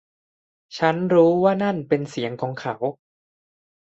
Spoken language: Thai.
ฉันรู้ว่านั่นเป็นเสียงของเขา